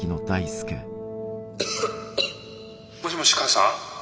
もしもし母さん？